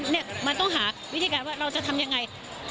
เนี่ยมันต้องหาวิธีการว่าเราจะทำยังไง